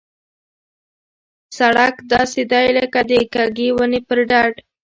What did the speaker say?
سړک داسې دی لکه د کږې ونې پر ډډ.